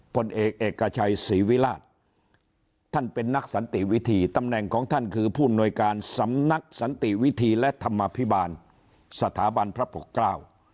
ผลเอกเอกชัยศรีวิราชท่านเป็นนักสันติวิธีตำแหน่งของท่านคือผู้อำนวยการสำนักสันติวิธีและธรรมภิบาลสถาบันพระปกเกล้า